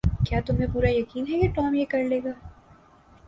کیا تمہیں پورا یقین ہے کہ ٹام یہ کر لے گا؟